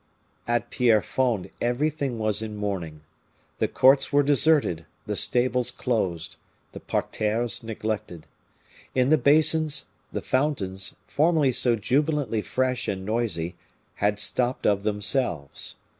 At Pierrefonds everything was in mourning. The courts were deserted the stables closed the parterres neglected. In the basins, the fountains, formerly so jubilantly fresh and noisy, had stopped of themselves.